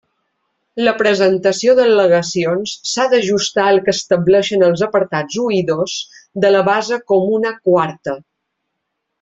La presentació d'al·legacions s'ha d'ajustar al que estableixen els apartats u i dos de la base comuna quarta.